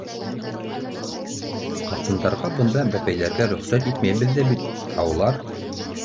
Ҡатындарға бында бәпәйләргә рөхсәт итмәйбеҙ ҙә бит, ә улар...